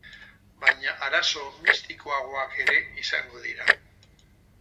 Baina arazo mistikoagoak ere izango dira.